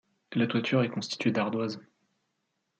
La toiture est constituée d'ardoises.